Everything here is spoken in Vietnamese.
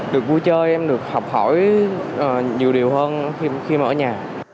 được vui chơi em được học hỏi nhiều điều hơn khi mà ở nhà